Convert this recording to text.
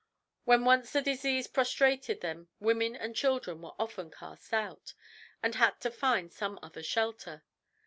... When once the disease prostrated them women and children were often cast out, and had to find some other shelter.